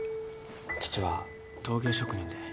父は陶芸職人で。